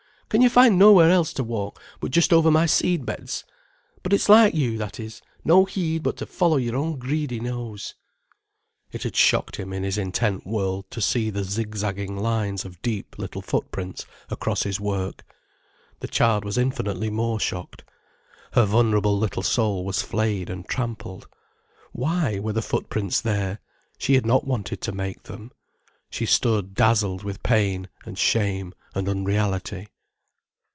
Can you find nowhere else to walk, but just over my seed beds? But it's like you, that is—no heed but to follow your own greedy nose." It had shocked him in his intent world to see the zigzagging lines of deep little foot prints across his work. The child was infinitely more shocked. Her vulnerable little soul was flayed and trampled. Why were the foot prints there? She had not wanted to make them. She stood dazzled with pain and shame and unreality.